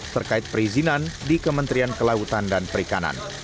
terkait perizinan di kementerian kelautan dan perikanan